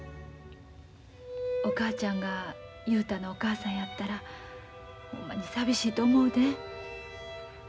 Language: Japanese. お母ちゃんが雄太のお母さんやったらほんまに寂しいと思うで。